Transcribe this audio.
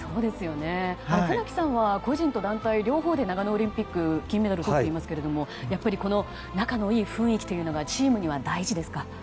船木さんは個人と団体両方で、長野オリンピック金メダルをとっていますがやっぱりこの仲のいい雰囲気というのがチームには大事ですか？